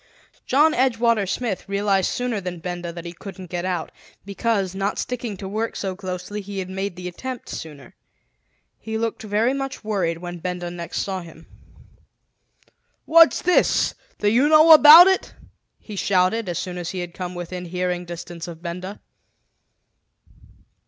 John Edgewater Smith realized sooner than Benda that he couldn't get out, because, not sticking to work so closely, he had made the attempt sooner. He looked very much worried when Benda next saw him. "What's this? Do you know about it?" he shouted as soon as he had come within hearing distance of Benda.